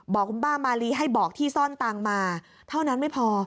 บอกคุณป้ามาลีให้บอกที่ซ่อนตังค์มาเท่านั้นไม่พอ